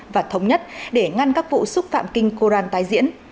và thống nhất để ngăn các vụ xúc phạm kinh koran tái diễn